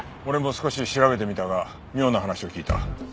俺も少し調べてみたが妙な話を聞いた。